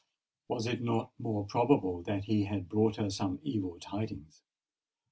Was it not more probable that he had brought her some evil tidings?